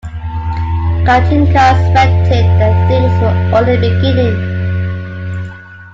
Katinka suspected that things were only beginning.